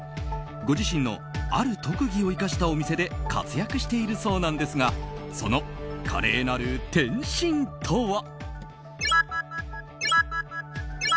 ご自身のある特技を生かしたお店で活躍しているそうなんですがその華麗なる転身とは。